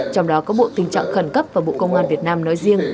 trong đó có bộ tình trạng khẩn cấp và bộ công an việt nam nói riêng